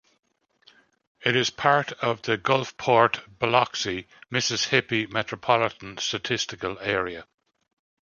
It is part of the Gulfport-Biloxi, Mississippi Metropolitan Statistical Area.